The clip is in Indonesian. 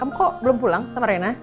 kok belum pulang sama rena